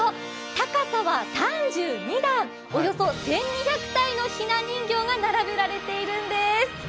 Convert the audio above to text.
高さは３２段、およそ１２００体のひな人形が並べられているんです。